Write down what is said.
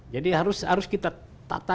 jadi harus kita tata